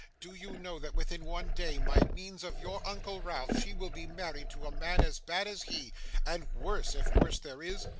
'Do you know that within one day, by means of your uncle Ralph, she will be married to a man as bad as he, and worse, if worse there is?